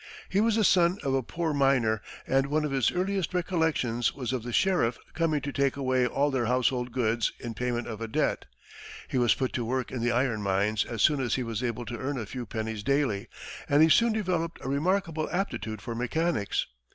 He was the son of a poor miner, and one of his earliest recollections was of the sheriff coming to take away all their household goods in payment of a debt. He was put to work in the iron mines as soon as he was able to earn a few pennies daily, and he soon developed a remarkable aptitude for mechanics.